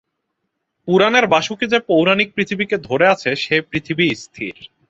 পুরাণের বাসুকী যে পৌরাণিক পৃথিবীকে ধরে আছে সে পৃথিবী স্থির।